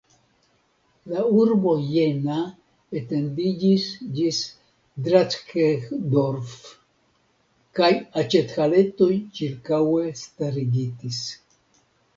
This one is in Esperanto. La urbo Jena etendiĝis ĝis Drackedorf kaj aĉethaletoj ĉirkaŭe starigitis.